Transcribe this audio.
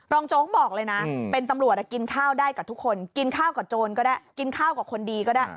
โจ๊กบอกเลยนะเป็นตำรวจกินข้าวได้กับทุกคนกินข้าวกับโจรก็ได้กินข้าวกับคนดีก็ได้